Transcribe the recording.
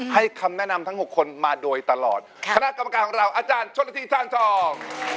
คำแนะนำทั้งหกคนมาโดยตลอดคณะกรรมการของเราอาจารย์ชนละทีจานทอง